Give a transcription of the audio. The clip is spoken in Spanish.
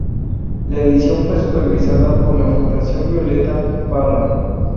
La edición fue supervisada por la Fundación Violeta Parra.